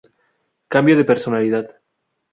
Cambio de personalidad.